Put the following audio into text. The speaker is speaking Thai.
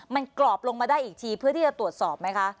มันกรอบลงมาได้อีกทีเพื่อที่จะตรวจสอบไหมคะ